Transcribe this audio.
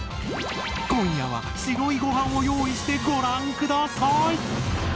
今夜は白いご飯を用意してご覧下さい！